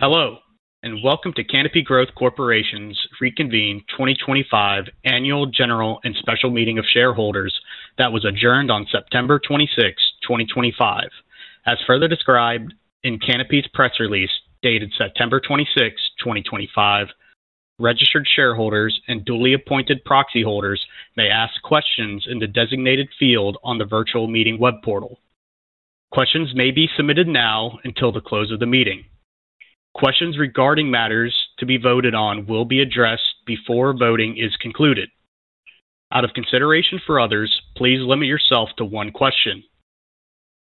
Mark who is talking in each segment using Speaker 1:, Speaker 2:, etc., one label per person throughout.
Speaker 1: Hello and welcome to Canopy Growth Corporation's Reconvened 2025 Annual General and Special Meeting of Shareholders that was adjourned on September 26, 2025. As further described in Canopy's press release dated September 26, 2025, registered shareholders and duly appointed proxy holders may ask questions in the designated field on the Virtual Meeting Web Portal. Questions may be submitted now until the close of the meeting. Questions regarding matters to be voted on will be addressed before voting is concluded. Out of consideration for others, please limit yourself to one question.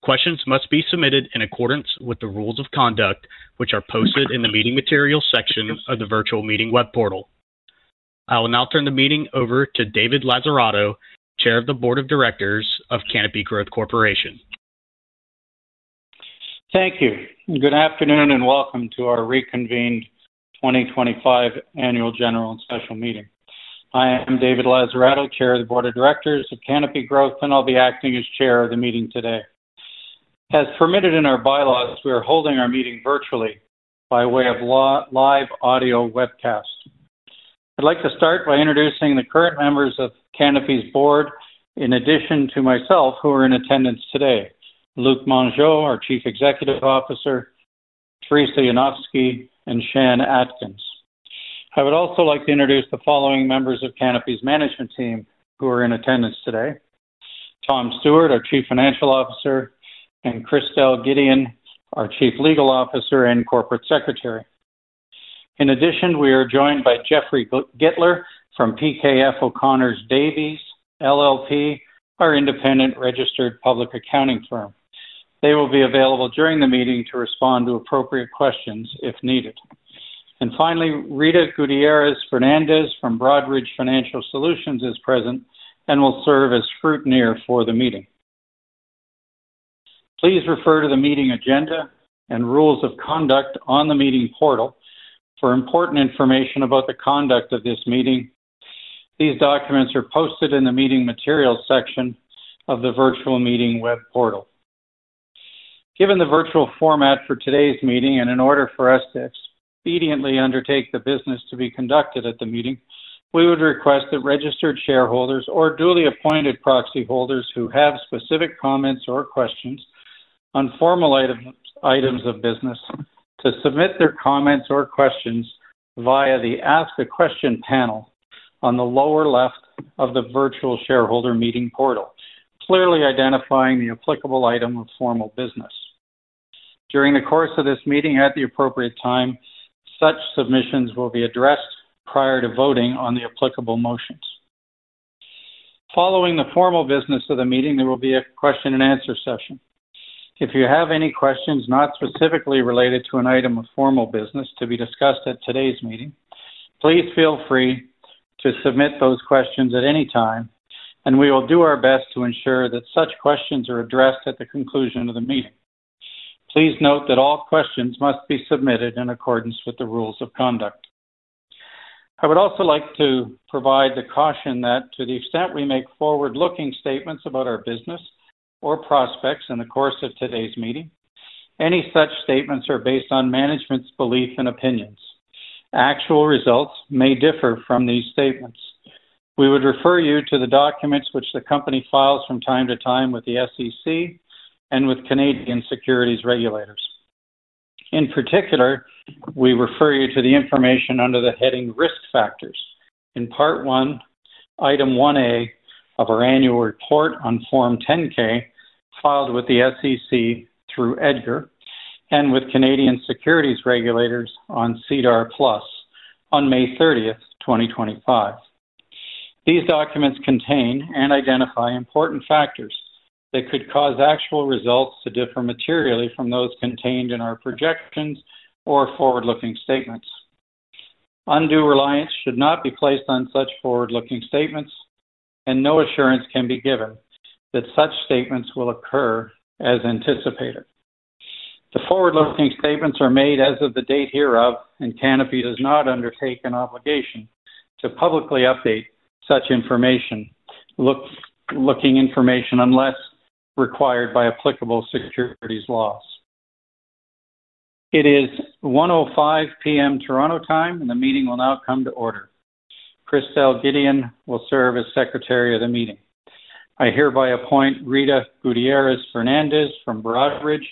Speaker 1: Questions must be submitted in accordance with the rules of conduct, which are posted in the Meeting Materials section of the Virtual Meeting Web Portal. I will now turn the meeting over to David Lazzarato, Chair of the Board of Directors of Canopy Growth Corporation.
Speaker 2: Thank you. Good afternoon and welcome to our reconvened 2025 Annual General and Special Meeting. I am David Lazzarato, Chair of the Board of Directors of Canopy Growth, and I'll be acting as Chair of the meeting today. As permitted in our bylaws, we are holding our meeting virtually by way of live audio webcast. I'd like to start by introducing the current members of Canopy's board, in addition to myself, who are in attendance today: Luc Mongeau, our Chief Executive Officer, Theresa Yanofsky, and Shan Atkins. I would also like to introduce the following members of Canopy's management team who are in attendance today: Tom Stewart, our Chief Financial Officer, and Christelle Gedeon, our Chief Legal Officer and Corporate Secretary. In addition, we are joined by Jeffrey Gittler from PKF O’Connor Davies, LLP, our independent registered public accounting firm. They will be available during the meeting to respond to appropriate questions if needed. Finally, Rita Gutierrez Fernandez from Broadridge Financial Solutions is present, and will serve as scrutineer for the meeting. Please refer to the meeting agenda and rules of conduct on the Meeting Portal for important information about the conduct of this meeting. These documents are posted in the Meeting Materials section of the Virtual Meeting Web Portal. Given the virtual format for today's meeting and in order for us to expediently undertake the business to be conducted at the meeting, we would request that registered shareholders or duly appointed proxy holders who have specific comments or questions on formal items of business submit their comments or questions via the Ask a Question panel, on the lower left of the Virtual Shareholder Meeting Portal, clearly identifying the applicable item of formal business. During the course of this meeting at the appropriate time such submissions will be addressed prior to voting on the applicable motions. Following the formal business of the meeting, there will be a question and answer session. If you have any questions not specifically related to an item of formal business to be discussed at today's meeting, please feel free to submit those questions at any time and we will do our best to ensure that such questions are addressed at the conclusion of the meeting. Please note that all questions must be submitted in accordance with the rules of conduct. I would also like to provide the caution that to the extent we make forward looking statements about our business or prospects in the course of today's meeting, any such statements are based on management's belief and opinions. Actual results may differ from these statements. We would refer you to the documents which the company files from time to time with the SEC and with Canadian securities regulators. In particular, we refer you to the information under the heading Risk Factors in Part 1, Item 1A of our Annual Report on Form 10-K filed with the SEC through EDGAR and with Canadian securities regulators on SEDAR+, on May 30, 2025. These documents contain and identify important factors that could cause actual results to differ materially from those contained in our projections or forward looking statements. Undue reliance should not be placed on such forward looking statements and no assurance can be given that such statements will occur as anticipated. The forward looking statements are made as of the date hereof and Canopy Growth does not undertake an obligation to publicly update such forward looking information unless required by applicable securities laws. It is 1:05 P.M Toronto time, and the meeting will now come to order. Christelle Gideon will serve as secretary of the meeting. I hereby appoint Rita Gutierrez Fernandez from Broadridge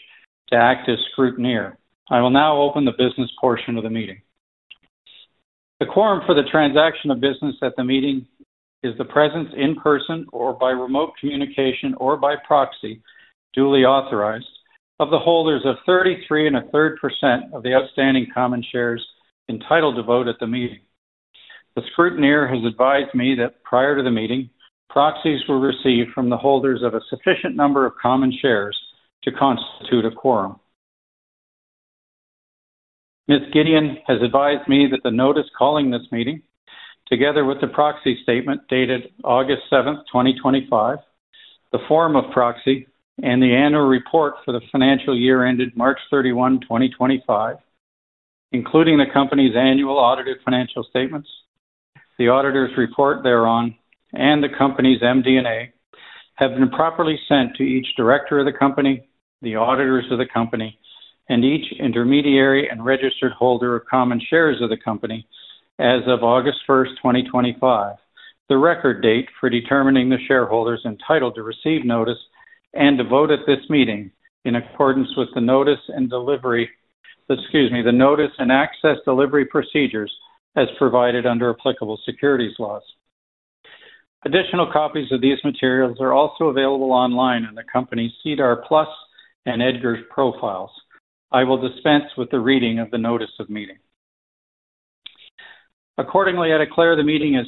Speaker 2: to act as scrutineer. I will now open the business portion of the meeting. The quorum for the transaction of business at the meeting is the presence, in person or by remote communication or by proxy, duly authorized of the holders of 33⅓% of the outstanding common shares entitled to vote at the meeting. The scrutineer has advised me that prior to the meeting, proxies were received from the holders of a sufficient number of common shares to constitute a quorum. Ms. Gideon has advised me that the notice calling this meeting, together with the proxy statement dated August 7, 2025, the form of proxy and the annual report for the financial year ended March 31, 2025, including the company's annual audited financial statements, the auditor's report thereon and the company's MD&A, have been properly sent to each director of the company, the auditors of the company and each intermediary and registered holder of common shares of the company as of 08-01-2025, the record date for determining the shareholders entitled to receive notice and to vote at this meeting in accordance with the notice and delivery. Excuse me, the notice and access delivery procedures as provided under applicable securities laws. Additional copies of these materials are also available online in the company's SEDAR+ and EDGAR profiles. I will dispense with the reading of the notice of meeting. Accordingly the meeting is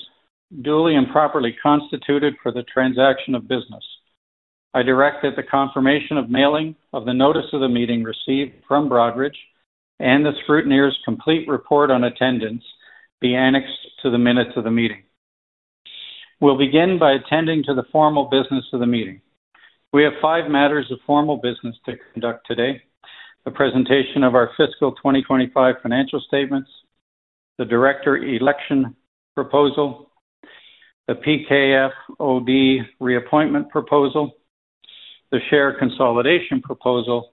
Speaker 2: duly and properly constituted for the transaction of business. I direct that the confirmation of mailing of the notice of the meeting received from Broadridge and the scrutineer's complete report on attendance be annexed to the minutes of the meeting. We'll begin by attending to the formal business of the meeting. We have five matters of formal business to conduct, the presentation of our fiscal 2025 financial statements, the Director Election Proposal, the PKF O’Connor Davies, LLP Reappointment Proposal, the Share Consolidation Proposal,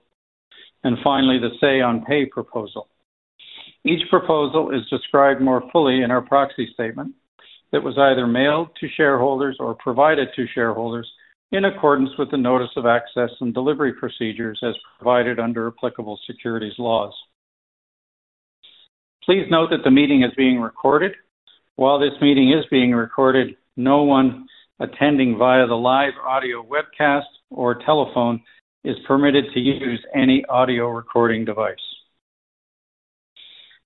Speaker 2: and finally the Say on Pay Proposal. Each proposal is described more fully in our proxy statement that was either mailed to shareholders or provided to shareholders in accordance with the notice of access and delivery procedures as provided under applicable securities laws. Please note that the meeting is being recorded. While this meeting is being recorded, no one attending via the live audio webcast or telephone is permitted to use any audio recording device.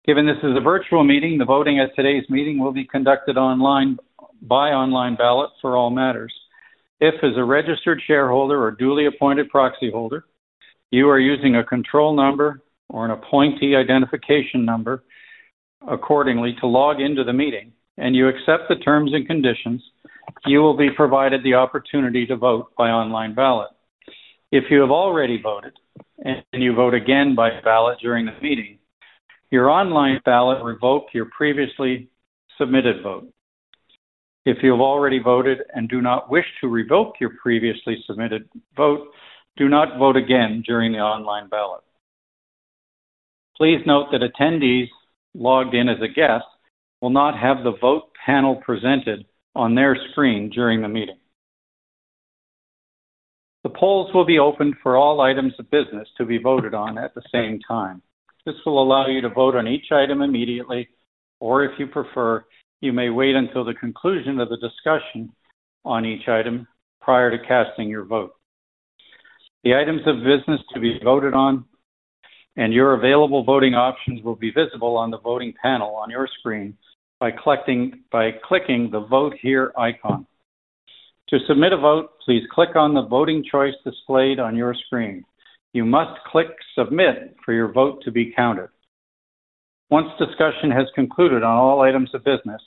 Speaker 2: Given this is a virtual meeting, the voting at today's meeting will be conducted online by online ballot for all matters. If, as a registered shareholder or duly appointed proxy holder, you are using a control number or an appointee identification number accordingly to log into the meeting, and you accept the terms and conditions, you will be provided the opportunity to vote by online ballot. If you have already voted and you vote again by ballot during the meeting, your online ballot will revoke your previously submitted vote. If you have already voted and do not wish to revoke your previously submitted vote, do not vote again during the online ballot. Please note that attendees logged in as a guest will not have the vote panel presented on their screen during the meeting. The polls will be open for all items of business to be voted on at the same time. This will allow you to vote on each item immediately, or if you prefer, you may wait until the conclusion of the discussion on each item prior to casting your vote. The items of business to be voted on and your available voting options will be visible on the voting panel on your screen by clicking the Vote Here icon. To submit a vote, please click on the voting choice displayed on your screen. You must click Submit for your vote to be counted. Once discussion has concluded on all items of business,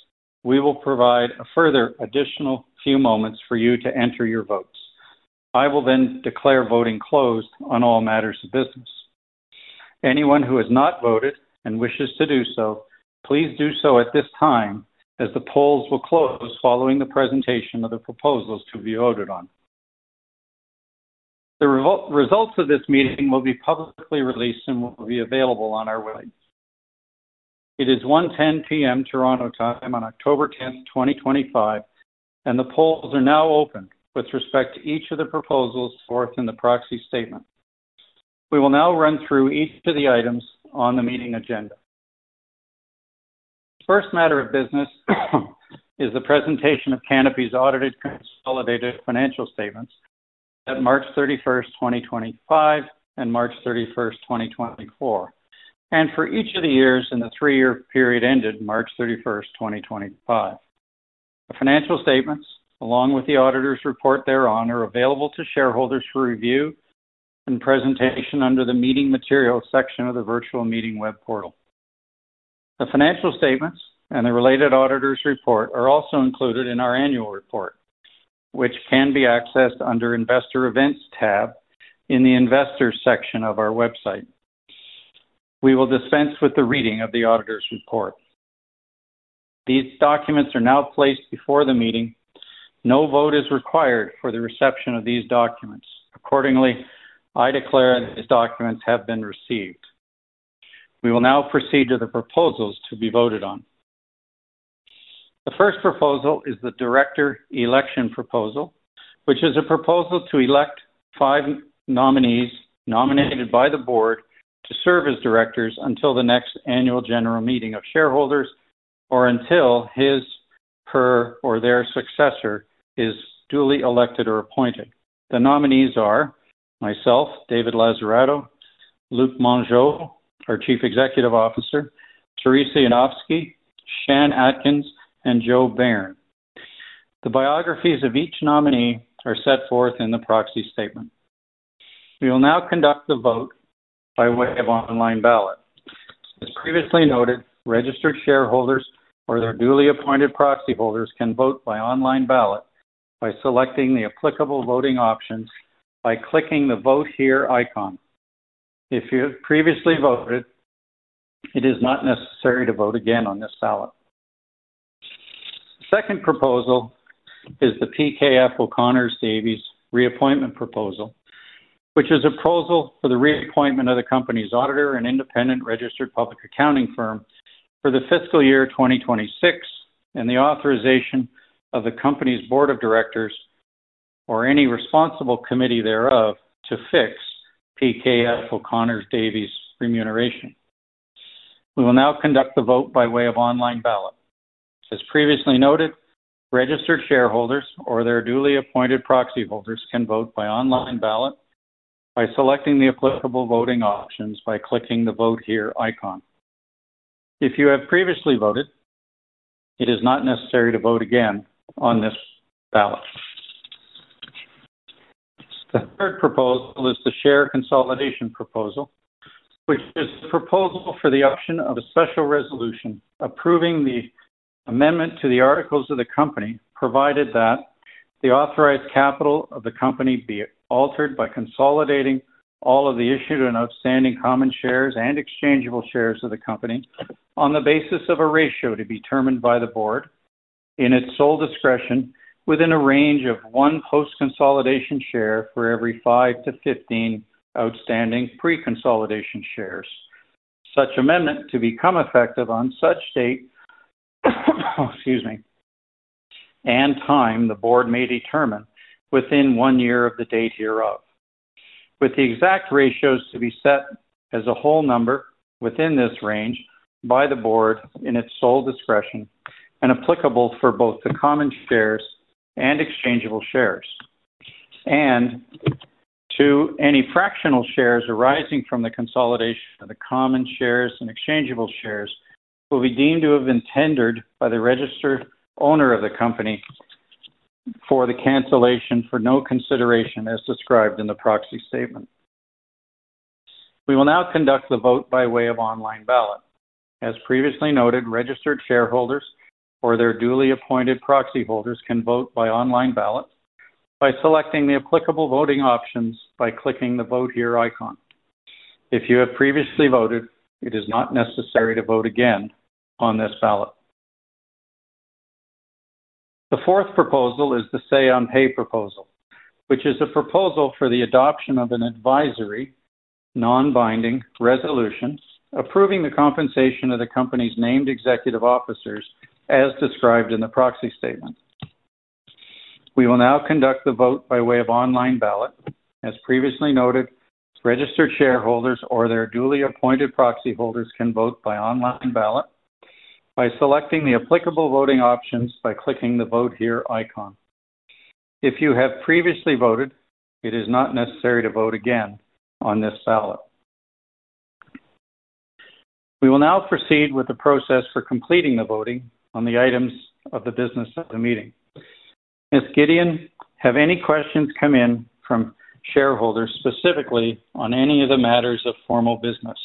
Speaker 2: we will provide a further additional few moments for you to enter your votes. I will then declare voting closed on all matters of business. Anyone who has not voted and wishes to do so, please do so at this time as the polls will close, following the presentation of the proposals to be voted on. The results of this meeting will be publicly released and will be available on our website. It is 1:10 P.M. Toronto time on October 10, 2025, and the polls are now open with respect to each of the proposals set forth in the Proxy Statement. We will now run through each of the items on the meeting agenda. The first matter of business is the presentation of Canopy Growth Corporation's audited consolidated financial statements at March 31, 2025, and March 31, 2024, and for each of the years in the three-year period ended March 31, 2025. The financial statements, along with the auditor's report thereon, are available to shareholders for review and presentation under the Meeting Materials section of the Virtual Meeting Web Portal. The financial statements and the related auditor's report are also included in our annual report, which can be accessed under the Investor Events tab in the Investors section of our website. We will dispense with the reading of the auditor's report. These documents are now placed before the meeting. No vote is required for the reception of these documents. Accordingly, I declare these documents have been received. We will now proceed to the proposals to be voted on. The first proposal is the Director Election Proposal, which is a proposal to elect five nominees nominated by the board to serve as directors until the next Annual General Meeting of Shareholders or until his, her, or their successor is duly elected or appointed. The nominees are myself, David Lazzarato, Luc Mongeau, our Chief Executive Officer, Theresa Yanofsky, Shan Atkins, and Joe Behrn. The biographies of each nominee are set forth in the Proxy Statement. We will now conduct the vote by way of online ballot. As previously noted, registered shareholders or their duly appointed proxy holders can vote by online ballot by selecting the applicable voting options by clicking the Vote Here icon. If you have previously voted, it is not necessary to vote again on this ballot. The second proposal is the PKF O’Connor Davies Reappointment Proposal, which is a proposal for the reappointment of the company's auditor and independent registered public accounting firm for the fiscal year 2026, and the authorization of the Company's Board of Directors, or any responsible committee thereof to fix PKF O’Connor Davies' remuneration. We will now conduct the vote by way of online ballot. As previously noted, registered shareholders or their duly appointed proxy holders can vote by online ballot by selecting the applicable voting options by clicking the Vote Here icon. If you have previously voted, it is not necessary to vote again on this ballot. The third proposal is the Share Consolidation Proposal, which is the proposal for the option of a special resolution of approving the amendment to the articles of the company, provided that the authorized capital of the company be altered by consolidating all of the issued and outstanding common shares and exchangeable shares of the company on the basis of a ratio to be determined by the board in its sole discretion within a range of 1 post-consolidation share for every 5 to 15 outstanding pre-consolidation shares, such amendment to become effective on such date and time. The board may determine within one year of the date hereof, with the exact ratios to be set as a whole number within this range by the board in its sole discretion and applicable for both the common shares and exchangeable shares, and any fractional shares arising from the consolidation of the common shares and exchangeable shares will be deemed to have been tendered by the registered owner of the company for cancellation for no consideration as described in the proxy statement. We will now conduct the vote by way of online ballot. As previously noted, registered shareholders or their duly appointed proxy holders can vote by online ballot by selecting the applicable voting options by clicking the Vote Here icon. If you have previously voted, it is not necessary to vote again on this ballot. The fourth proposal is the say on pay proposal, which is a proposal for the adoption of an advisory non-binding resolution approving the compensation of the company's named executive officers as described in the proxy statement. We will now conduct the vote by way of online ballot. As previously noted, registered shareholders or their duly appointed proxy holders can vote by online ballot by selecting the applicable voting options by clicking the Vote Here icon. If you have previously voted, it is not necessary to vote again on this ballot. We will now proceed with the process for completing the voting on the items of the business of the meeting. Ms. Gideon, have any questions come in from shareholders specifically on any of the matters of formal business?.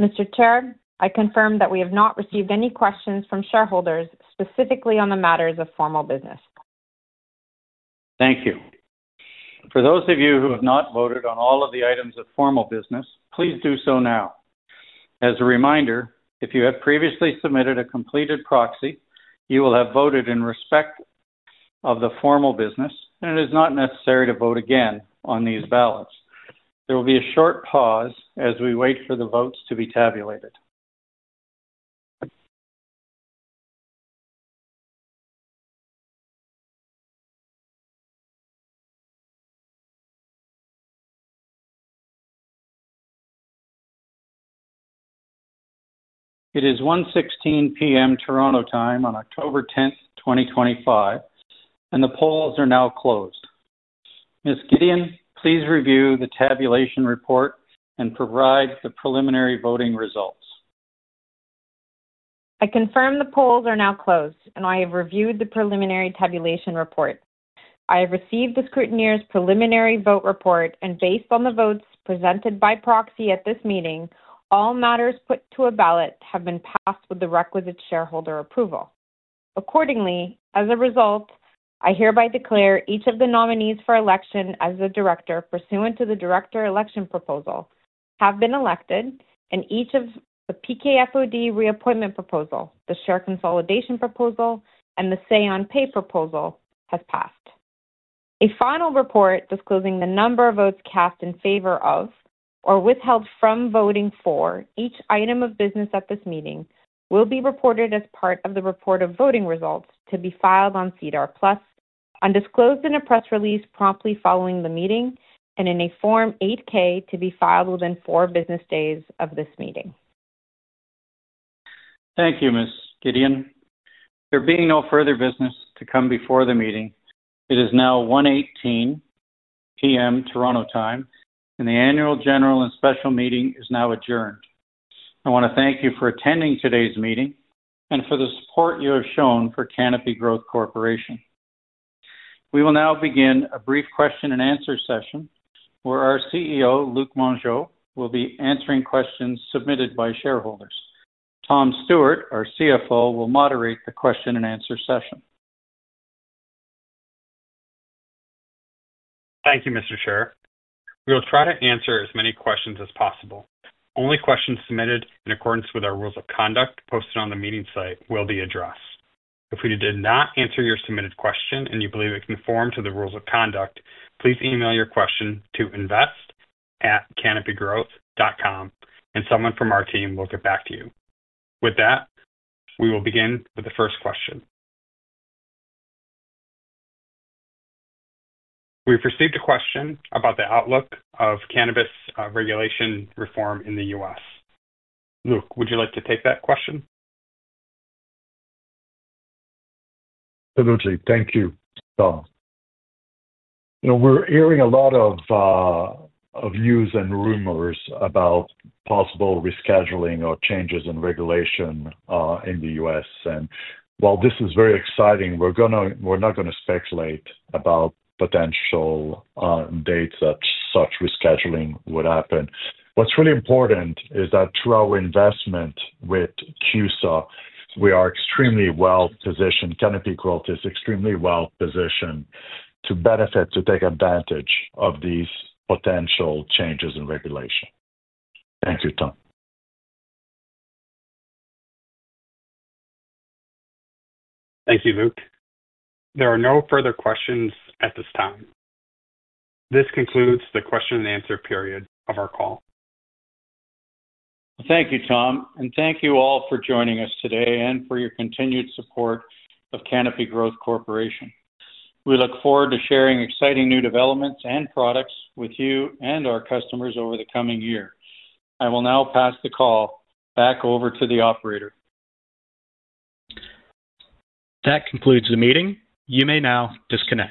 Speaker 3: Mr. Chair, I confirm that we have not received any questions from shareholders specifically on the matters of formal business.
Speaker 2: Thank you. For those of you who have not voted on all of the items of formal business, please do so now. As a reminder, if you have previously submitted a completed proxy, you will have voted in respect of the formal business, and it is not necessary to vote again on these ballots. There will be a short pause as we wait for the votes to be tabulated. It is 1:16 P.M. Toronto time on 10-10-2025 and the polls are now closed. Ms. Gideon, please review the tabulation report and provide the preliminary voting results.
Speaker 3: I confirm the polls are now closed and I have reviewed the preliminary tabulation report. I have received the scrutineer's preliminary vote report, and based on the votes presented by proxy at this meeting, all matters put to a ballot have been passed with the requisite shareholder approval. Accordingly, as a result, I hereby declare each of the nominees for election as the director pursuant to the director election proposal have been elected, and each of the PKF O’Connor Davies, LLP reappointment proposal, the share consolidation proposal, and the say on pay proposal has passed. A final report disclosing the number of votes cast in favor of or withheld from voting for each item of business at this meeting will be reported as part of the report of voting results to be filed on SEDAR+ and disclosed in a press release promptly following the meeting and in a Form 8-K to be filed within four business days of this meeting.
Speaker 2: Thank you, Ms. Gideon. There being no further business to come before the meeting, it is now 1:18 P.M. Toronto time and the annual general and special meeting is now adjourned. I want to thank you for attending today's meeting and for the support you have shown for Canopy Growth Corporation. We will now begin a brief question and answer session where our CEO, Luc Mongeau, will be answering questions submitted by shareholders. Tom Stewart, our CFO, will moderate the question and answer session.
Speaker 4: Thank you, Mr. Chair. We will try to answer as many questions as possible. Only questions submitted in accordance with our rules of conduct posted on the meeting site will be addressed. If we did not answer your submitted question and you believe it conforms to the rules of conduct, please email your question to Invest@canopygrowth.com, and someone from our team will get back to you. With that we will begin with the first question. We've received a question about the outlook of cannabis regulation reform in the U.S., Luc, would you like to take that question?
Speaker 5: Thank you. You know, we're hearing a lot of news and rumors about possible rescheduling or changes in regulation in the U.S., and while this is very exciting, we're not going to speculate about potential dates that such rescheduling would happen. What's really important is that through our investment with CUSA, we are extremely well positioned. Canopy Growth is extremely well positioned to benefit, to take advantage of these potential changes in regulation. Thank you, Tom.
Speaker 4: Thank you, Luc. There are no further questions at this time. This concludes the question and answer period of our call.
Speaker 2: Thank you, Tom. And thank you all for joining us today and for your continued support of Canopy Growth Corporation. We look forward to sharing exciting new developments and products with you and our customers over the coming year. I will now pass the call back over to the operator.
Speaker 1: That concludes the meeting. You may now disconnect.